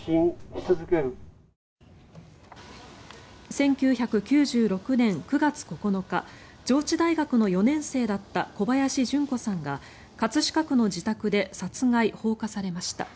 １９９６年９月９日上智大学の４年生だった小林順子さんが葛飾区の自宅で殺害・放火されました。